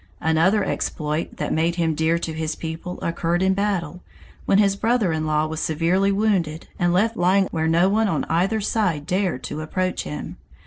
Another exploit that made him dear to his people occurred in battle, when his brother in law was severely wounded and left lying where no one on either side dared to approach him.